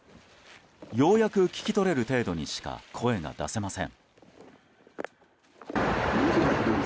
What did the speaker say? ようやく聞き取れる程度にしか声が出せません。